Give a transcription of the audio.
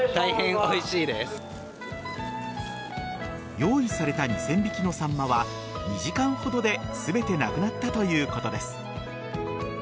用意された２０００匹のサンマは２時間ほどで全てなくなったということです。